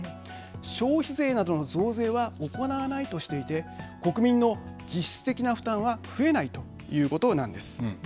消費税などの増税は行わないとしていて国民の実質的な負担は増えないということなんです。